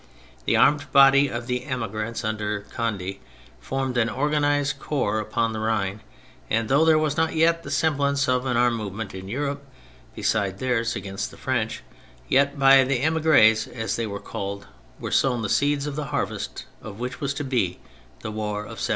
The armed body of the emigrants under Cond6 formed an organised corps upon the Rhine, and though there was not yet the semblance of an armed movement in Europe besides theirs against the French, yet by the emigres^ as they were called, were sown the seeds the harvest of which was to be the war of 1792.